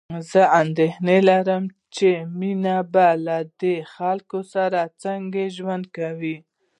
زه اندېښنه لرم چې مينه به له دې خلکو سره څنګه ژوند کوي